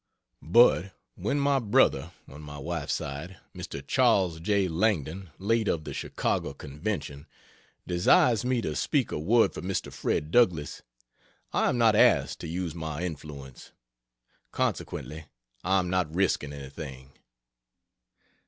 But when my brother on my wife's side Mr. Charles J. Langdon late of the Chicago Convention desires me to speak a word for Mr. Fred Douglass, I am not asked "to use my influence" consequently I am not risking anything.